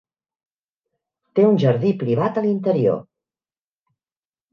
Té un jardí privat a l'interior.